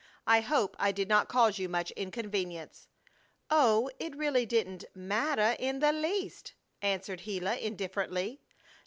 I hope I did not cause you much inconvenience." "Oh, it really didn't mattah in the least!" answered Gila, indifferently.